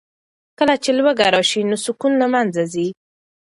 کله چې لوږه راشي نو سکون له منځه ځي.